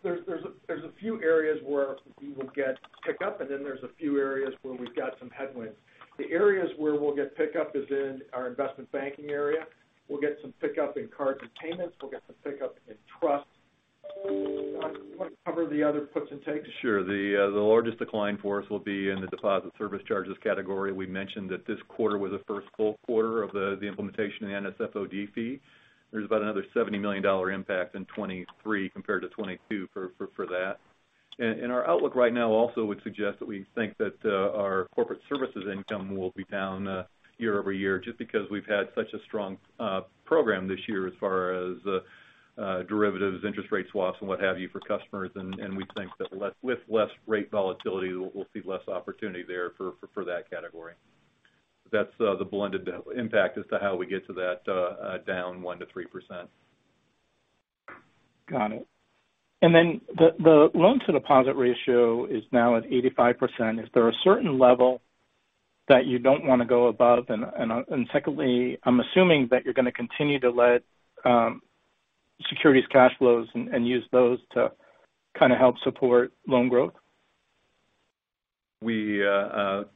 There's a few areas where we will get pickup, and then there's a few areas where we've got some headwinds. The areas where we'll get pickup is in our investment banking area. We'll get some pickup in cards and payments. We'll get some pickup in trust. John, do you want to cover the other puts and takes? Sure. The largest decline for us will be in the deposit service charges category. We mentioned that this quarter was the first full quarter of the implementation of the NSFOD fee. There's about another $70 million impact in 2023 compared to 2022 for that. Our outlook right now also would suggest that we think that our corporate services income will be down year-over-year just because we've had such a strong program this year as far as derivatives, interest rate swaps and what have you, for customers. We think that with less rate volatility, we'll see less opportunity there for that category. That's the blended impact as to how we get to that down 1%-3%. Got it. The loan to deposit ratio is now at 85%. Is there a certain level that you don't wanna go above? Secondly, I'm assuming that you're gonna continue to let securities cash flows and use those to kinda help support loan growth. We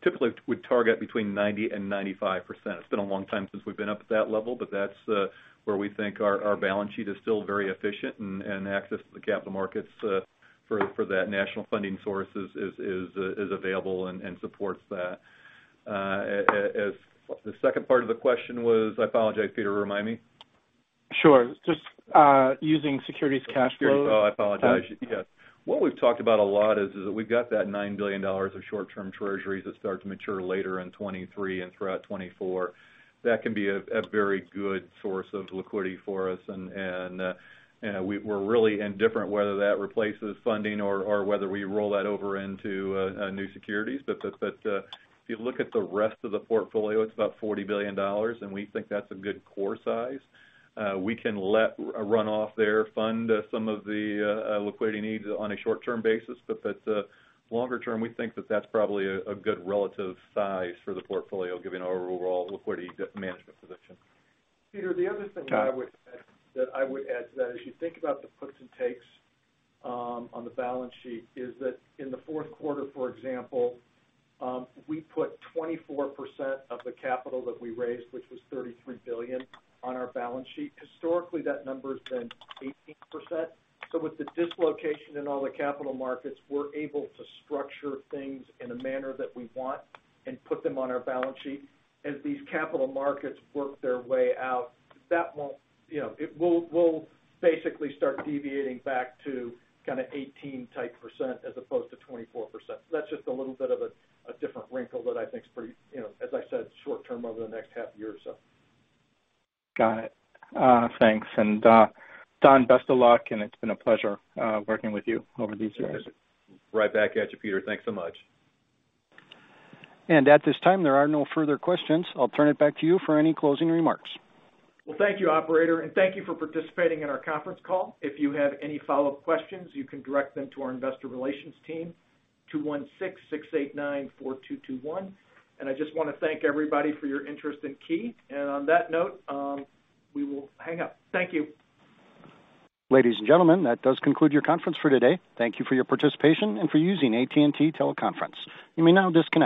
typically would target between 90% and 95%. It's been a long time since we've been up at that level, but that's where we think our balance sheet is still very efficient and access to the capital markets for that national funding source is available and supports that. The second part of the question was? I apologize, Peter. Remind me. Sure. Just using securities cash flows. Oh, I apologize. Yes. What we've talked about a lot is that we've got that $9 billion of short-term Treasuries that start to mature later in 2023 and throughout 2024. That can be a very good source of liquidity for us. We're really indifferent whether that replaces funding or whether we roll that over into new securities. If you look at the rest of the portfolio, it's about $40 billion, and we think that's a good core size. We can let a runoff there fund some of the liquidity needs on a short-term basis. Longer term, we think that that's probably a good relative size for the portfolio given our overall liquidity management position. Peter, the other thing that I would add to that, as you think about the puts and takes on the balance sheet, is that in the fourth quarter, for example, we put 24% of the capital that we raised, which was $33 billion, on our balance sheet. Historically, that number has been 18%. With the dislocation in all the capital markets, we're able to structure things in a manner that we want and put them on our balance sheet. As these capital markets work their way out, that won't, you know, it will basically start deviating back to kinda 18 type % as opposed to 24%. That's just a little bit of a different wrinkle that I think is pretty, you know, as I said, short term over the next half year or so. Got it. Thanks. Don, best of luck, and it's been a pleasure, working with you over these years. Right back at you, Peter. Thanks so much. At this time, there are no further questions. I'll turn it back to you for any closing remarks. Well, thank you, operator, and thank you for participating in our conference call. If you have any follow-up questions, you can direct them to our investor relations team, 216-689-4221. I just wanna thank everybody for your interest in Key. On that note, we will hang up. Thank you. Ladies and gentlemen, that does conclude your conference for today. Thank you for your participation and for using AT&T Teleconference. You may now disconnect.